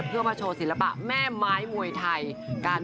เพื่อมาโชว์ศิลปะแม่ไม้มวยไทย